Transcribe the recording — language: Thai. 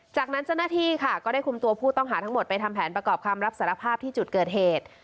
จากนั้นเจ้าหน้าที่ค่ะก็ได้คุมตัวผู้ต้องหาทั้งหมดไปทำแผนประกอบคำรับสารภาพที่จุดเกิดเหตุ